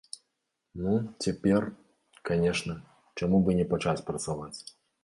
Ну, цяпер, канешне, чаму б і не пачаць працаваць.